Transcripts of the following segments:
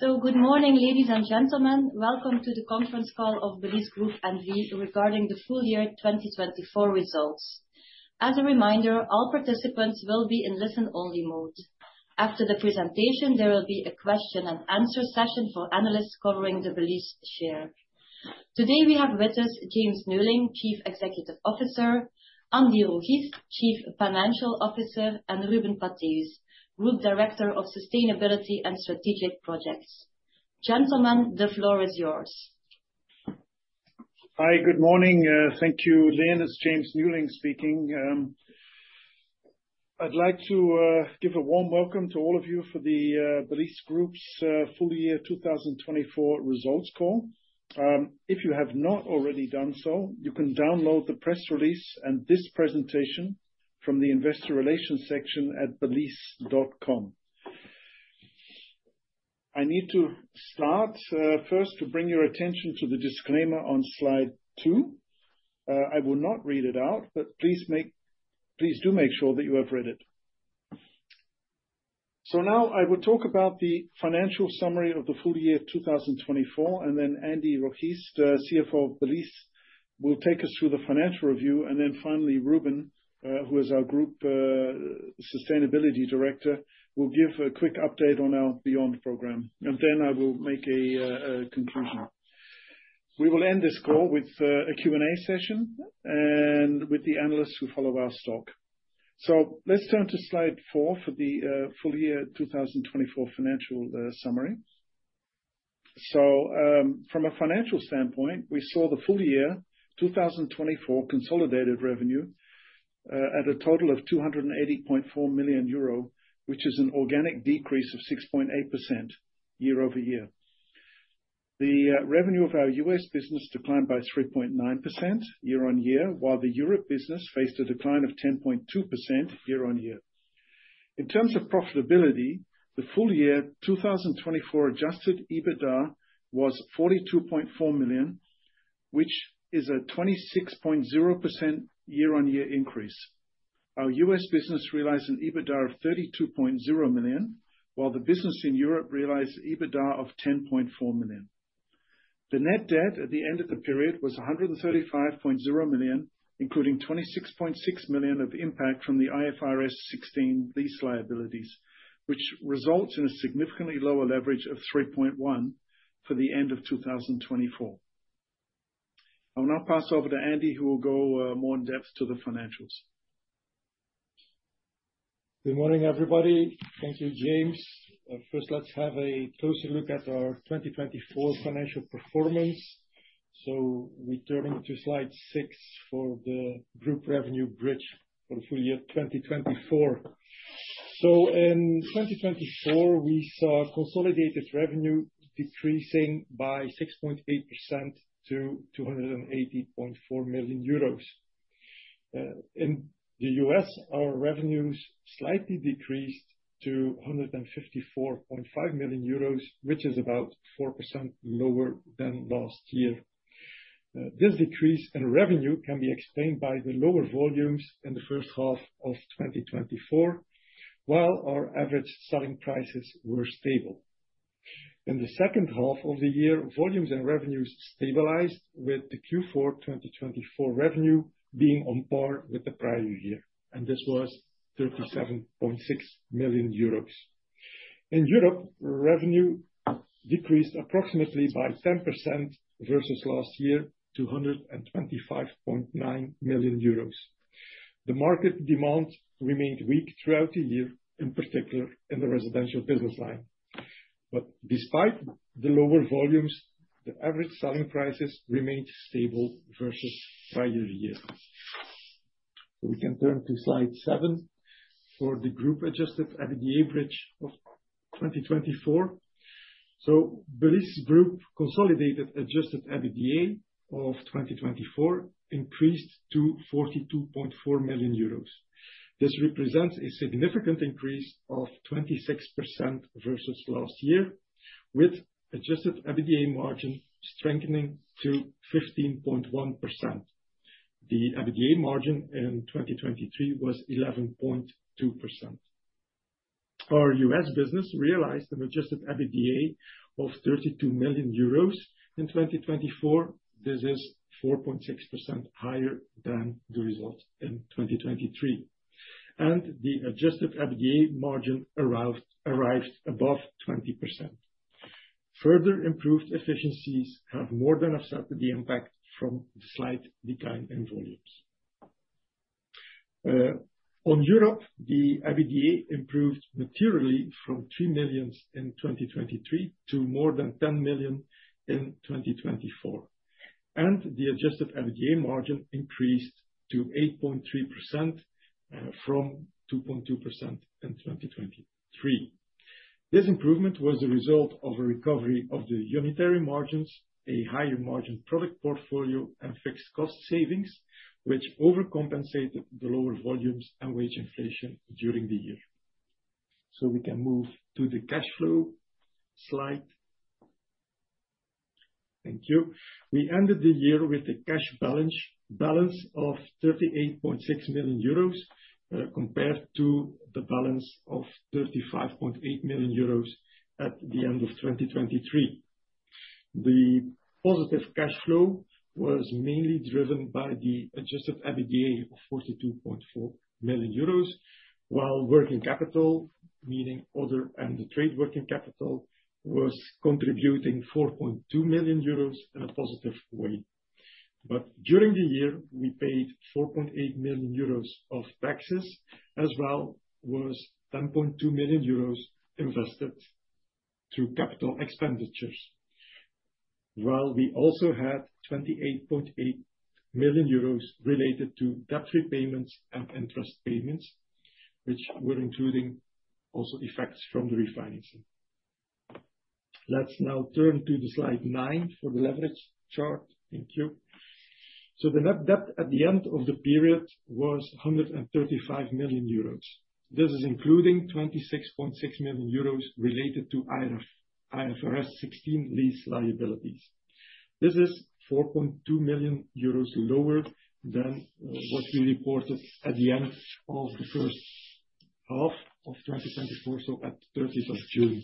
Good morning, ladies and gentlemen. Welcome to the conference call of Belysse Group regarding the full-year 2024 results. As a reminder, all participants will be in listen-only mode. After the presentation, there will be a question-and-answer session for analysts covering the Belysse share. Today we have with us James Neuling, Chief Executive Officer; Andy Rogiest, Chief Financial Officer; and Ruben Pattheeuws, Group Director of Sustainability and Strategic Projects. Gentlemen, the floor is yours. Hi, good morning. Thank you, Lynn. It's James Neuling speaking. I'd like to give a warm welcome to all of you for the Belysse Group's full-year 2024 results call. If you have not already done so, you can download the press release and this presentation from the Investor Relations section at belysse.com. I need to start first to bring your attention to the disclaimer on slide two. I will not read it out, but please do make sure that you have read it. Now, I will talk about the financial summary of the full year 2024, and then Andy Rogiest, CFO of Belysse, will take us through the financial review. Finally, Ruben, who is our Group Sustainability Director, will give a quick update on our Beyond program. I will make a conclusion. We will end this call with a Q&A session, and with the analysts who follow our stock. Let's turn to slide four for the full-year 2024 financial summary. From a financial standpoint, we saw the full year 2024 consolidated revenue at a total of 280.4 million euro, which is an organic decrease of 6.8% year-over-year. The revenue of our US business declined by 3.9% year on year, while the Europe business faced a decline of 10.2% year on year. In terms of profitability, the full year 2024 adjusted EBITDA was 42.4 million, which is a 26.0% year-on-year increase. Our U.S. business realized an EBITDA of 32.0 million, while the business in Europe realized an EBITDA of 10.4 million. The net debt at the end of the period was 135.0 million, including 26.6 million of impact from the IFRS 16 lease liabilities, which results in a significantly lower leverage of 3.1 for the end of 2024. I'll now pass over to Andy, who will go more in depth to the financials. Good morning, everybody. Thank you, James. First, let's have a closer look at our 2024 financial performance. We turn to slide six for the group revenue bridge for the full year 2024. In 2024, we saw consolidated revenue decreasing by 6.8% to 280.4 million euros. In the U.S., our revenues slightly decreased to 154.5 million euros, which is about 4% lower than last year. This decrease in revenue can be explained by the lower volumes in the first half of 2024, while our average selling prices were stable. In the second half of the year, volumes and revenues stabilized, with the Q4 2024 revenue being on par with the prior year, and this was 37.6 million euros. In Europe, revenue decreased approximately by 10% versus last year to 125.9 million euros. The market demand remained weak throughout the year, in particular in the residential business line. Despite the lower volumes, the average selling prices remained stable versus prior year. We can turn to slide seven for the group adjusted EBITDA bridge of 2024. Belysse Group consolidated adjusted EBITDA of 2024 increased to 42.4 million euros. This represents a significant increase of 26% versus last year, with adjusted EBITDA margin strengthening to 15.1%. The EBITDA margin in 2023 was 11.2%. Our U.S. business realized an adjusted EBITDA of 32 million euros in 2024. This is 4.6% higher than the result in 2023, and the adjusted EBITDA margin arrived above 20%. Further improved efficiencies have more than offset the impact from the slight decline in volumes. On Europe, the EBITDA improved materially from 3 million in 2023 to more than 10 million in 2024, and the adjusted EBITDA margin increased to 8.3% from 2.2% in 2023. This improvement was the result of a recovery of the unitary margins, a higher margin product portfolio, and fixed cost savings, which overcompensated the lower volumes and wage inflation during the year. We can move to the cash flow slide. Thank you. We ended the year with a cash balance of 38.6 million euros compared to the balance of 35.8 million euros at the end of 2023. The positive cash flow was mainly driven by the adjusted EBITDA of 42.4 million euros, while working capital, meaning order and trade working capital, was contributing 4.2 million euros in a positive way. During the year, we paid 4.8 million euros of taxes as well as 10.2 million euros invested through capital expenditures, while we also had 28.8 million euros related to debt repayments and interest payments, which were including also effects from the refinancing. Let's now turn to slide nine for the leverage chart. Thank you. The net debt at the end of the period was 135 million euros. This is including 26.6 million euros related to IFRS 16 lease liabilities. This is 4.2 million euros lower than what we reported at the end of the first half of 2024, at 30th of June.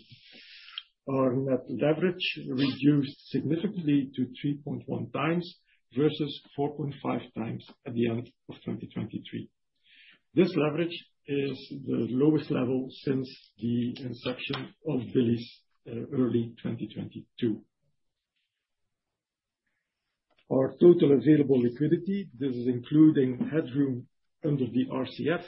Our net leverage reduced significantly to 3.1 times versus 4.5 times at the end of 2023. This leverage is the lowest level since the inception of Belysse early 2022. Our total available liquidity, including headroom under the RCF,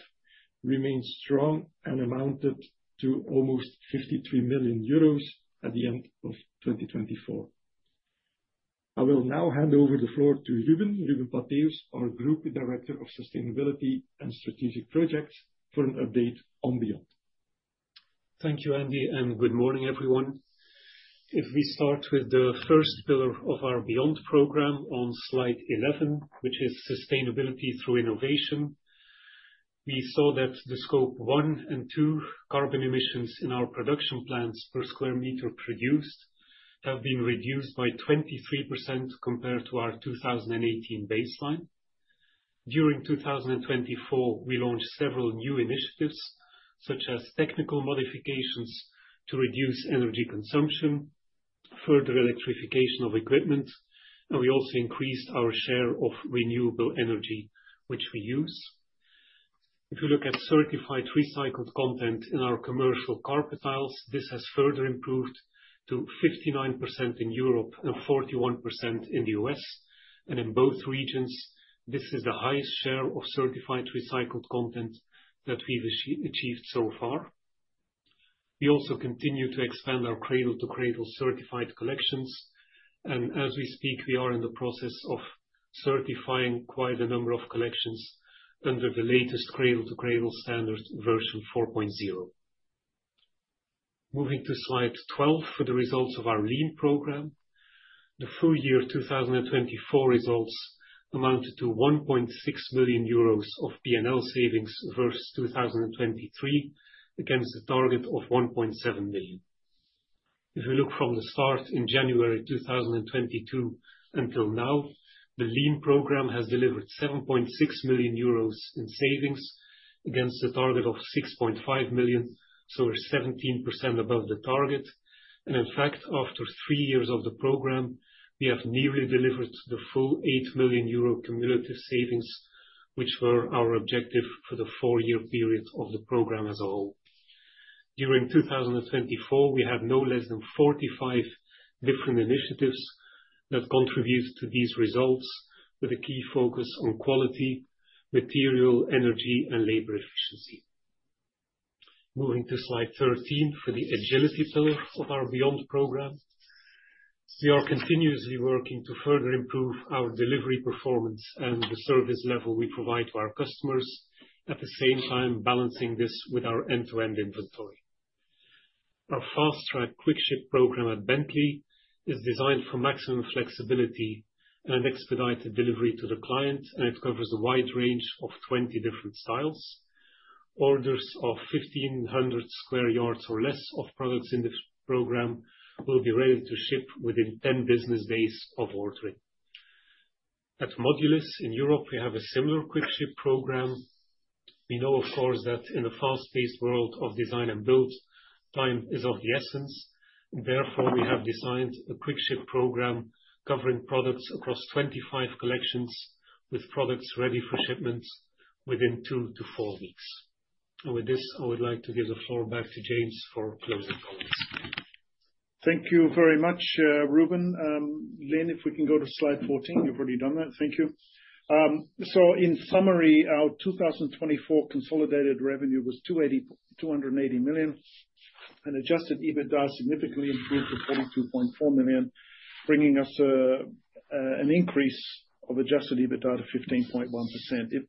remained strong and amounted to almost 53 million euros at the end of 2024. I will now hand over the floor to Ruben Pattheeuws, our Group Director of Sustainability and Strategic Projects, for an update on Beyond. Thank you, Andy, and good morning, everyone. If we start with the first pillar of our BEYOND program on slide 11, which is sustainability through innovation, we saw that the scope one and two carbon emissions in our production plants per square meter produced have been reduced by 23% compared to our 2018 baseline. During 2024, we launched several new initiatives, such as technical modifications to reduce energy consumption, further electrification of equipment, and we also increased our share of renewable energy, which we use. If you look at certified recycled content in our commercial carpet tiles, this has further improved to 59% in Europe and 41% in the U.S., and in both regions, this is the highest share of certified recycled content that we've achieved so far. We also continue to expand our Cradle to Cradle certified collections, and as we speak, we are in the process of certifying quite a number of collections under the latest Cradle to Cradle standard version 4.0. Moving to slide 12 for the results of our Lean program, the full-year 2024 results amounted to 1.6 million euros of P&L savings versus 2023, against a target of 1.7 million. If you look from the start in January 2022 until now, the Lean program has delivered 7.6 million euros in savings against a target of 6.5 million, so we're 17% above the target. In fact, after three years of the program, we have nearly delivered the full 8 million euro cumulative savings, which were our objective for the four-year period of the program as a whole. During 2024, we had no less than 45 different initiatives that contribute to these results, with a key focus on quality, material, energy, and labor efficiency. Moving to slide 13 for the agility pillar of our BEYOND program, we are continuously working to further improve our delivery performance and the service level we provide to our customers, at the same time balancing this with our end-to-end inventory. Our Fast Track quick ship program at Bentley is designed for maximum flexibility and expedited delivery to the client, and it covers a wide range of 20 different styles. Orders of 1,500 sq yd or less of products in this program will be ready to ship within 10 business days of ordering. At modulyss, in Europe, we have a similar quick ship program. We know, of course, that in a fast-paced world of design and build, time is of the essence. Therefore, we have designed a quick ship program covering products across 25 collections, with products ready for shipment within two to four weeks. With this, I would like to give the floor back to James for closing comments. Thank you very much, Ruben. Lynn, if we can go to slide 14, you have already done that. Thank you. In summary, our 2024 consolidated revenue was 280 million, and adjusted EBITDA significantly improved to 42.4 million, bringing us an increase of adjusted EBITDA to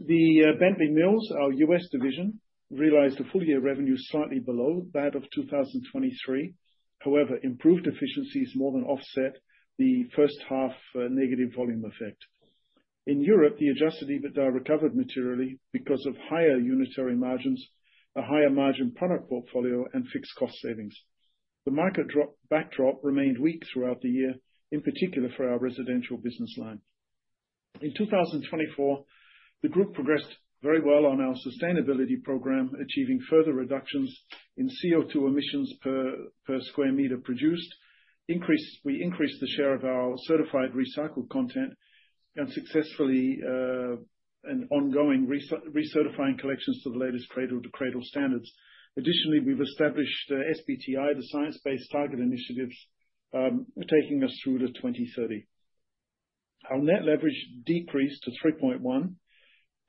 15.1%. Bentley Mills, our U.S. division, realized a full-year revenue slightly below that of 2023. However, improved efficiencies more than offset the first-half negative volume effect. In Europe, the adjusted EBITDA recovered materially because of higher unitary margins, a higher margin product portfolio, and fixed cost savings. The market backdrop remained weak throughout the year, in particular for our residential business line. In 2024, the group progressed very well on our sustainability program, achieving further reductions in CO2 emissions per square meter produced. We increased the share of our certified recycled content and successfully and ongoing recertifying collections to the latest Cradle to Cradle standards. Additionally, we've established SBTi, the Science Based Targets initiative, taking us through to 2030. Our net leverage decreased to 3.1,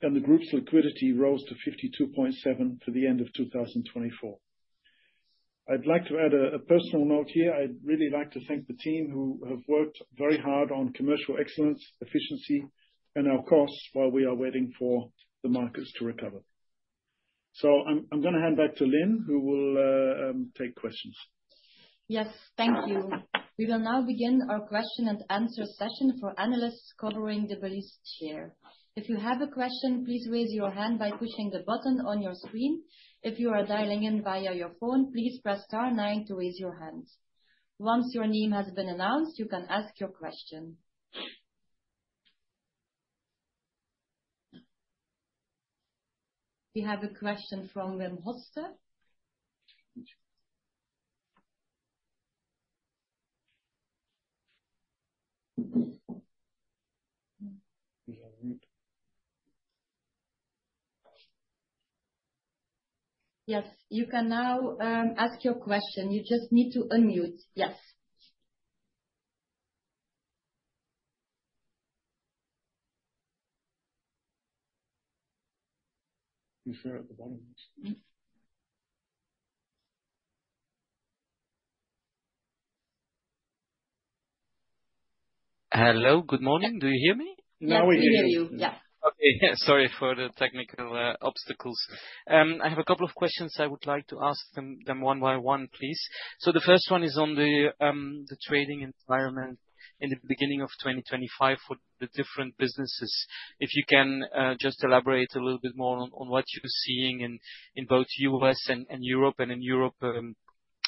and the group's liquidity rose to 52.7 million for the end of 2024. I'd like to add a personal note here. I'd really like to thank the team who have worked very hard on commercial excellence, efficiency, and our costs while we are waiting for the markets to recover. I'm going to hand back to Lynn, who will take questions. Yes, thank you. We will now begin our question-and-answer session for analysts covering the Belysse share. If you have a question, please raise your hand by pushing the button on your screen. If you are dialing in via your phone, please press star nine to raise your hand. Once your name has been announced, you can ask your question. We have a question from Wim Hoste. Yes, you can now ask your question. You just need to unmute. Yes. You share at the bottom. Hello, good morning. Do you hear me? Now, we hear you. We hear you. Yeah. Okay. Sorry for the technical obstacles. I have a couple of questions I would like to ask them one by one, please. The first one is on the trading environment in the beginning of 2025 for the different businesses. If you can just elaborate a little bit more on what you're seeing in both U.S. and Europe and in Europe,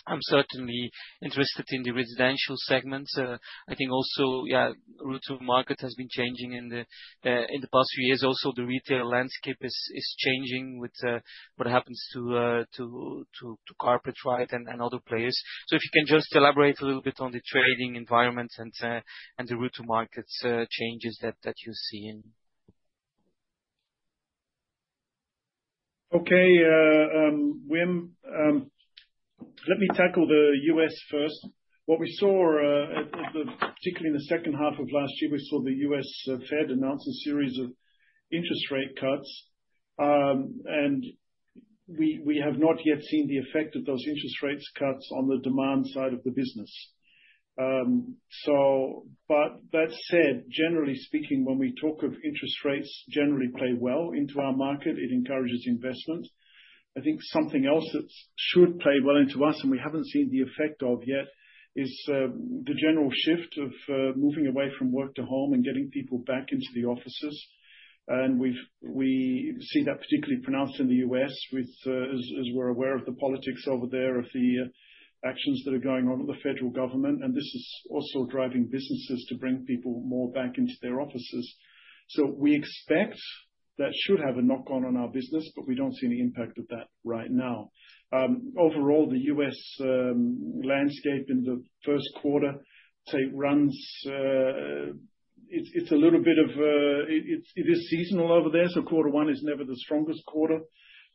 I'm certainly interested in the residential segment. I think also, yeah, route to market has been changing in the past few years. Also, the retail landscape is changing with what happens to Carpetright and other players. If you can just elaborate a little bit on the trading environment and the route to market changes that you're seeing. Okay, Wim, let me tackle the US. first. What we saw, particularly in the second half of last year, we saw the US Fed announce a series of interest rate cuts, and we have not yet seen the effect of those interest rate cuts on the demand side of the business. That said, generally speaking, when we talk of interest rates, they generally play well into our market. It encourages investment. I think something else that should play well into us, and we have not seen the effect of yet, is the general shift of moving away from work to home and getting people back into the offices. We see that particularly pronounced in the U.S., as we are aware of the politics over there, of the actions that are going on with the federal government, and this is also driving businesses to bring people more back into their offices. We expect that should have a knock-on on our business, but we do not see any impact of that right now. Overall, the U.S. landscape in the first quarter, say, runs, it is a little bit of it is seasonal over there, so quarter one is never the strongest quarter,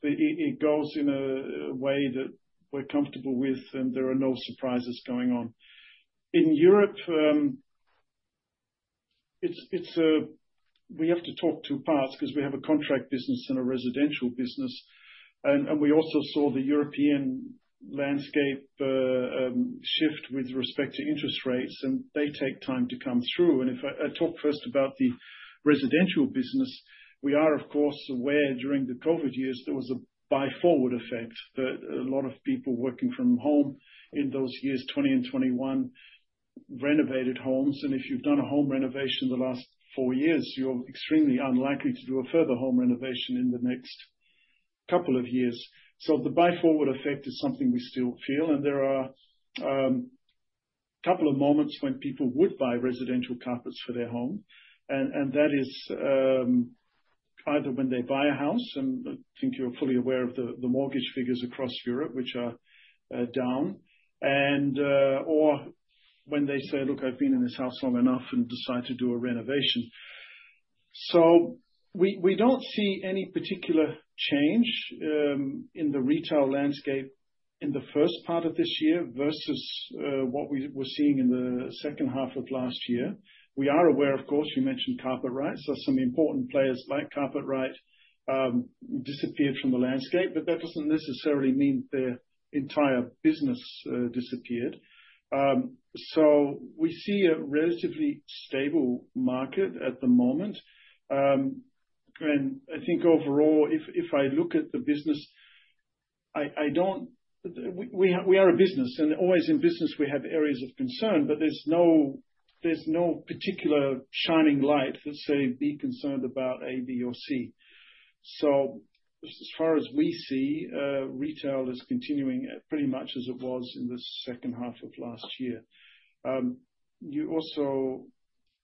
but it goes in a way that we are comfortable with, and there are no surprises going on. In Europe, we have to talk two parts because we have a contract business and a residential business, and we also saw the European landscape shift with respect to interest rates, and they take time to come through. If I talk first about the residential business, we are, of course, aware during the COVID years, there was a buy-forward effect that a lot of people working from home in those years, 2020 and 2021, renovated homes. If you have done a home renovation the last four years, you are extremely unlikely to do a further home renovation in the next couple of years. The buy-forward effect is something we still feel, and there are a couple of moments when people would buy residential carpets for their home, and that is either when they buy a house, and I think you are fully aware of the mortgage figures across Europe, which are down, or when they say, "Look, I have been in this house long enough and decide to do a renovation." We do not see any particular change in the retail landscape in the first part of this year versus what we were seeing in the second half of last year. We are aware, of course, you mentioned Carpetright. There are some important players like Carpetright disappeared from the landscape, but that does not necessarily mean the entire business disappeared. We see a relatively stable market at the moment. I think overall, if I look at the business, we are a business, and always in business, we have areas of concern, but there is no particular shining light that says, "Be concerned about A, B, or C." As far as we see, retail is continuing pretty much as it was in the second half of last year. You also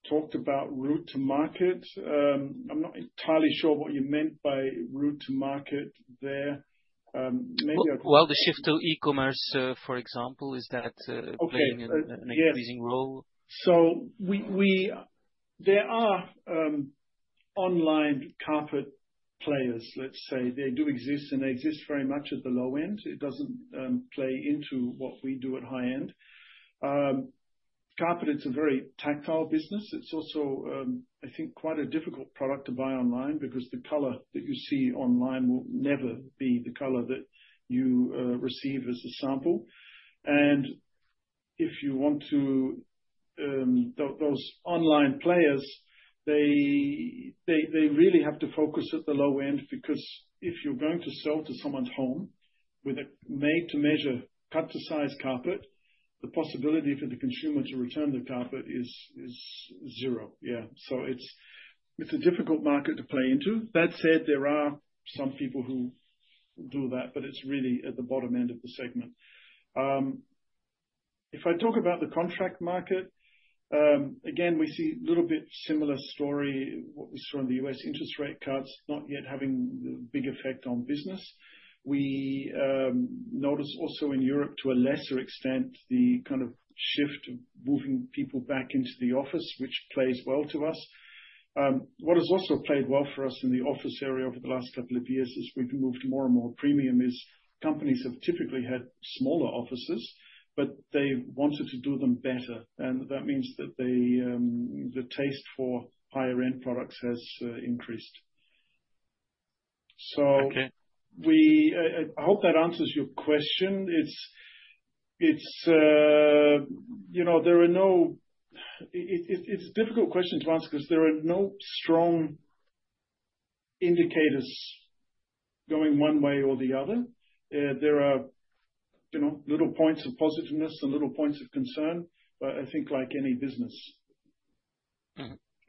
talked about route to market. I am not entirely sure what you meant by route to market there. The shift to e-commerce, for example, is that playing an increasing role? There are online carpet players, let's say. They do exist, and they exist very much at the low end. It doesn't play into what we do at high end. Carpet, it's a very tactile business. It's also, I think, quite a difficult product to buy online because the color that you see online will never be the color that you receive as a sample. If you want to, those online players, they really have to focus at the low end because if you're going to sell to someone's home with a made-to-measure, cut-to-size carpet, the possibility for the consumer to return the carpet is zero. Yeah. It's a difficult market to play into. That said, there are some people who do that, but it's really at the bottom end of the segment. If I talk about the contract market, again, we see a little bit similar story, what we saw in the U.S. interest rate cuts, not yet having the big effect on business. We notice also in Europe, to a lesser extent, the kind of shift of moving people back into the office, which plays well to us. What has also played well for us in the office area over the last couple of years is we've moved more and more premium. Companies have typically had smaller offices, but they wanted to do them better, and that means that the taste for higher-end products has increased. I hope that answers your question. It is a difficult question to answer because there are no strong indicators going one way or the other. There are little points of positiveness and little points of concern, but I think like any business.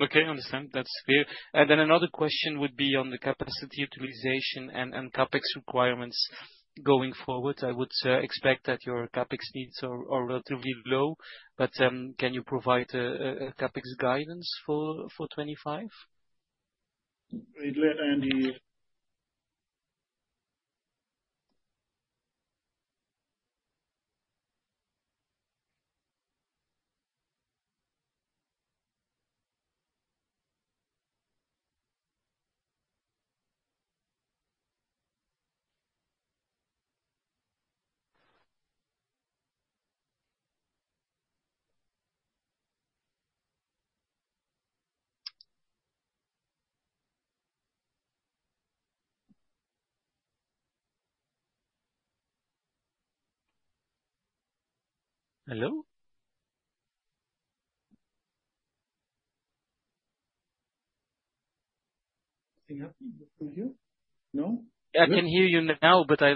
Okay, I understand. That's clear. Another question would be on the capacity utilization and CapEx requirements going forward. I would expect that your CapEx needs are relatively low, but can you provide a CapEx guidance for 2025? Andy? Hello? I think I can hear you. No? Yeah, I can hear you now, but I've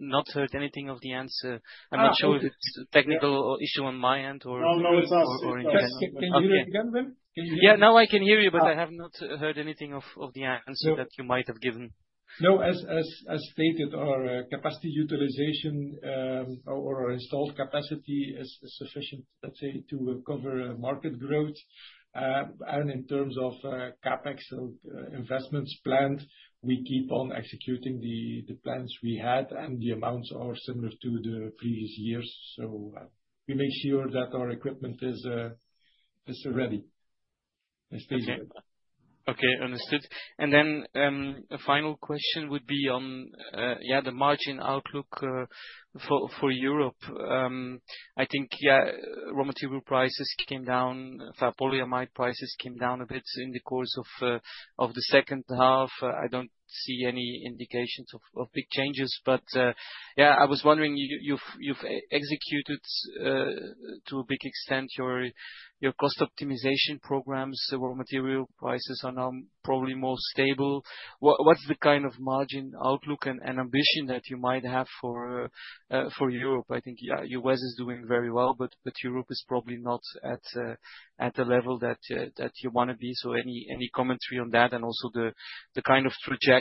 not heard anything of the answer. I'm not sure if it's a technical issue on my end or. No, no, it's us. Can you hear me again, Wim? Yeah, now I can hear you, but I have not heard anything of the answer that you might have given. No, as stated, our capacity utilization or our installed capacity is sufficient, let's say, to cover market growth. In terms of CapEx investments planned, we keep on executing the plans we had, and the amounts are similar to the previous years. We make sure that our equipment is ready. Okay, understood. A final question would be on, yeah, the margin outlook for Europe. I think, yeah, raw material prices came down, polyamide prices came down a bit in the course of the second half. I do not see any indications of big changes, but yeah, I was wondering, you have executed to a big extent your cost optimization programs. Raw material prices are now probably more stable. What is the kind of margin outlook and ambition that you might have for Europe? I think U.S. is doing very well, but Europe is probably not at the level that you want to be. Any commentary on that. and also the kind of trajectory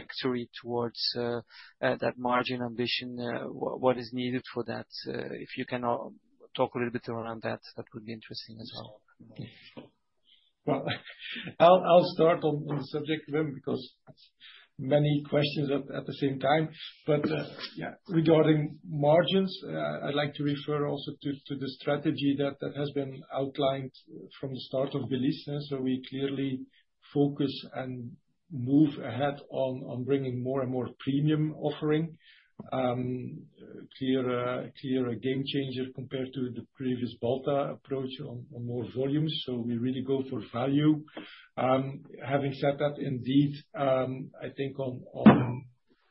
towards that margin ambition, what is needed for that? If you can talk a little bit around that, that would be interesting as well. I'll start on the subject, Wim, because many questions at the same time. Yeah, regarding margins, I'd like to refer also to the strategy that has been outlined from the start of Belysse. We clearly focus and move ahead on bringing more and more premium offering, clear a game changer compared to the previous Balta approach on more volumes. We really go for value. Having said that, indeed, I think on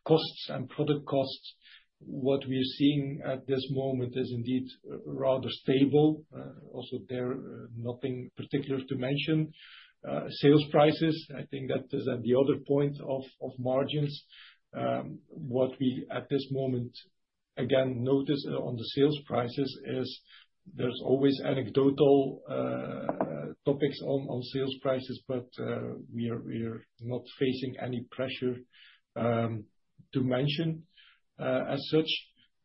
costs and product costs, what we are seeing at this moment is indeed rather stable. Also, there's nothing particular to mention. Sales prices, I think that is the other point of margins. What we, at this moment, again, notice on the sales prices is there's always anecdotal topics on sales prices, but we are not facing any pressure to mention as such.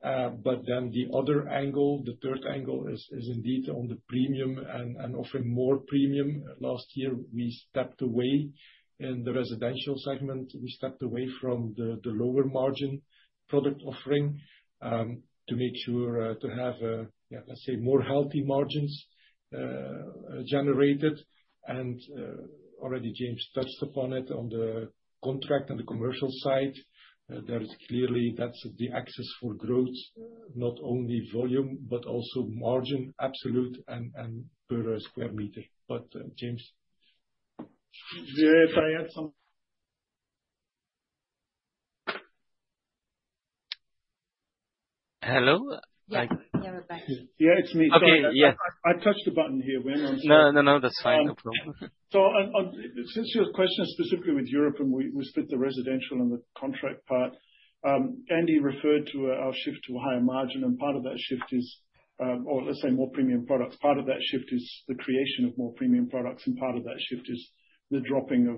The other angle, the third angle, is indeed on the premium and offering more premium. Last year, in the residential segment, we stepped away from the lower margin product offering to make sure to have, yeah, let's say, more healthy margins generated. Already, James touched upon it on the contract and the commercial side. There is clearly that's the axis for growth, not only volume, but also margin, absolute, and per square meter. James? If I add some. Hello? Yeah, we're back. Yeah, it's me. Okay, yeah. I touched a button here, Wim. I'm sorry. No, no, that's fine. No problem. Since your question is specifically with Europe and we split the residential and the contract part, Andy referred to our shift to a higher margin, and part of that shift is, or let's say, more premium products. Part of that shift is the creation of more premium products, and part of that shift is the dropping of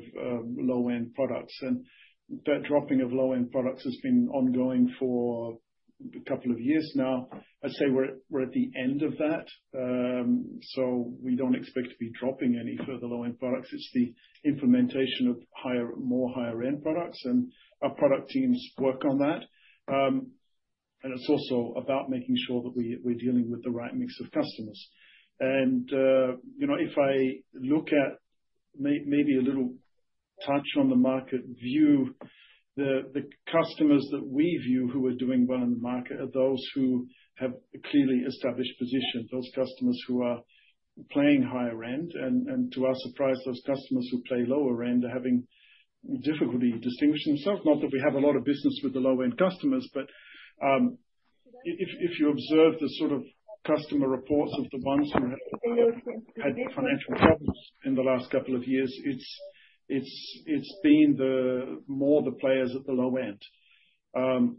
low-end products. That dropping of low-end products has been ongoing for a couple of years now. I'd say we're at the end of that. We do not expect to be dropping any further low-end products. It is the implementation of more higher-end products, and our product teams work on that. It is also about making sure that we are dealing with the right mix of customers. If I look at maybe a little touch on the market view, the customers that we view who are doing well in the market are those who have clearly established positions, those customers who are playing higher end. To our surprise, those customers who play lower end are having difficulty distinguishing themselves. Not that we have a lot of business with the low-end customers, but if you observe the sort of customer reports of the ones who had financial problems in the last couple of years, it has been more the players at the low end. On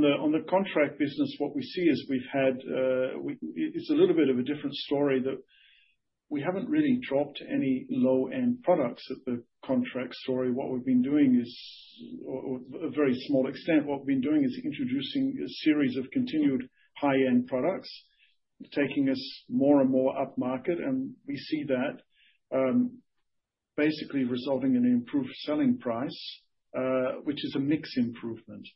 the contract business, what we see is we've had a little bit of a different story that we haven't really dropped any low-end products at the contract story. What we've been doing is, or a very small extent, what we've been doing is introducing a series of continued high-end products, taking us more and more upmarket, and we see that basically resulting in an improved selling price, which is a mixed improvement.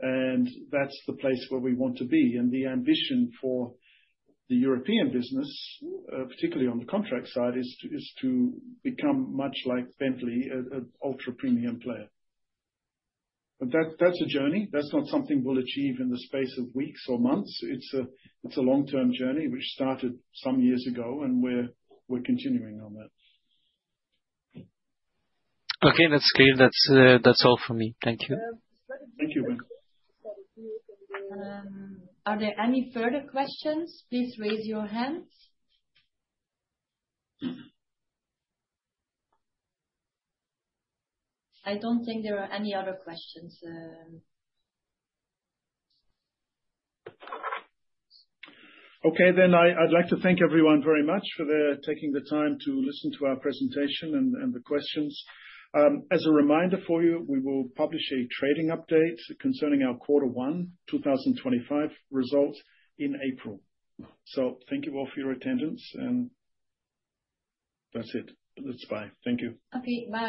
That is the place where we want to be. The ambition for the European business, particularly on the contract side, is to become much like Bentley, an ultra-premium player. That is a journey. That is not something we'll achieve in the space of weeks or months. It is a long-term journey which started some years ago, and we're continuing on that. Okay, that's clear. That's all from me. Thank you. Thank you, Wim. Are there any further questions? Please raise your hands. I don't think there are any other questions. Okay, then I'd like to thank everyone very much for taking the time to listen to our presentation and the questions. As a reminder for you, we will publish a trading update concerning our quarter one 2025 results in April. Thank you all for your attendance, and that's it. That's fine. Thank you. Okay. Bye.